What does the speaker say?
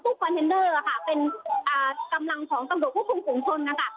ได้ค่ะแต่เชื่อว่าน่าจะมีกำลังถึงพอสมควรเลยนะคะ